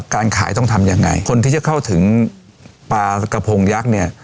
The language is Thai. การขายต้องทำยังไงคนที่จะเข้าถึงปลากระพงยักษ์เนี่ย